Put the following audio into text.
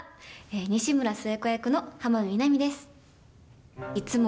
西村寿恵子役の浜辺美波です。